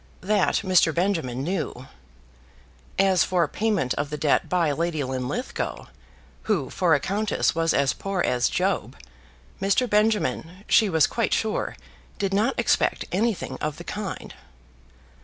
That Mr. Benjamin knew. As for payment of the debt by Lady Linlithgow, who for a countess was as poor as Job, Mr. Benjamin, she was quite sure, did not expect anything of the kind.